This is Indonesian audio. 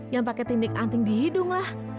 yang pakai tinding anting di hidung lah